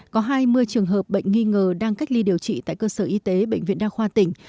có hai mươi trường hợp bệnh nghi ngờ đang cách ly điều trị tại cơ sở y tế bệnh viện đa khoa tỉnh